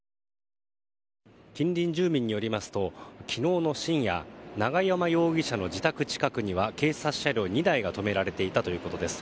近隣住民によりますと昨日の深夜永山容疑者の自宅近くには警察車両２台が止められていたということです。